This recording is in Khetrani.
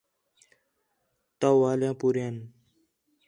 تَو والیاں پوریان